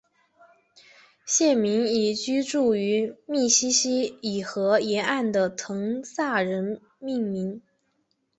县名以居住于密西西比河沿岸的滕萨人命名。